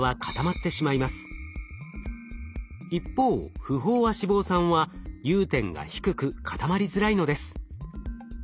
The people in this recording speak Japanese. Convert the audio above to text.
一方不飽和脂肪酸は融点が低く固まりづらいのです。